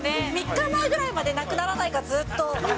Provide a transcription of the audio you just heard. ３日前ぐらいまで、なくならないか、ずっと。